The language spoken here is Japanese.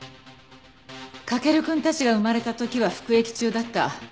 駆くんたちが生まれた時は服役中だった。